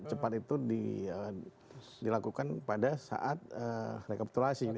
cepat itu dilakukan pada saat rekapitulasi